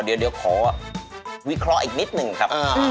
เดี๋ยวขอวิเคราะห์อีกนิดหนึ่งครับ